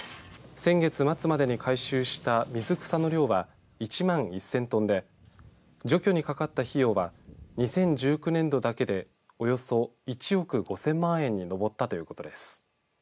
先月末までに回収した水草の量は１万１０００トンで除去にかかった費用は２０１９年度だけでおよそ１億５０００万円に上ったということです。